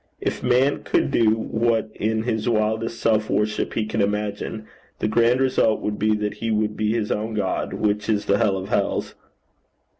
If man could do what in his wildest self worship he can imagine, the grand result would be that he would be his own God, which is the Hell of Hells.